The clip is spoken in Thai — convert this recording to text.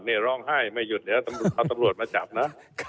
นี่ร้องไห้ไม่หยุดเดี๋ยวตำรวจเอาตำรวจมาจับนะ